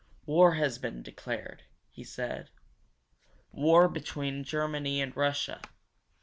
"War has been declared," he said. "War between Germany and Russia!